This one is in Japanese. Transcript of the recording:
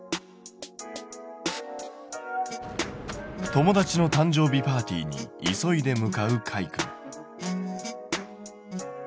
友達の誕生日パーティーに急いで向かうかいくん。